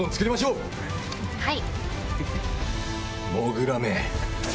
はい！